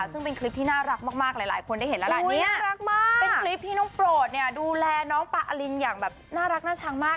ซึ่งเป็นคลิปที่น่ารักมากหลายคนได้เห็นแล้วล่ะนี่น่ารักมากเป็นคลิปที่น้องโปรดเนี่ยดูแลน้องปาอลินอย่างแบบน่ารักน่าชังมาก